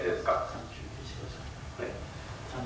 暫時休憩してください。